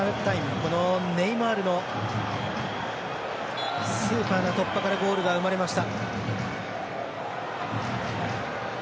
このネイマールのスーパーな突破からゴールが生まれました。